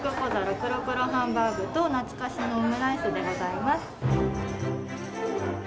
黒×黒ハンバーグとなつかしのオムライスでございます。